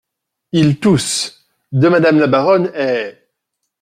Il tousse. de madame la baronne est…